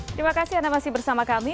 terima kasih anda masih bersama kami